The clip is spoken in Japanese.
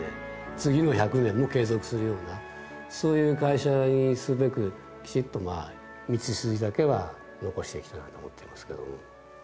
次の１００年も継続するようなそういう会社にするべくきちっとまあ道筋だけは残していきたいなと思っていますけども。